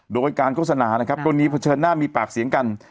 โดยการโฆษณานะครับกรณีเผชิญหน้ามีปากเสียงกัน